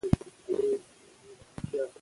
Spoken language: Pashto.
موږ باید د مورنۍ ژبې بشپړ درناوی وکړو.